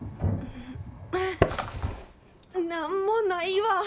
・何もないわ。